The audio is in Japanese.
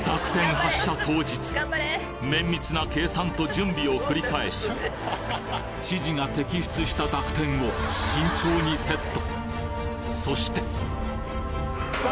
発射当日綿密な計算と準備を繰り返し知事が摘出した濁点を慎重にセット。